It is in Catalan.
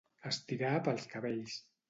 Estirar pels cabells.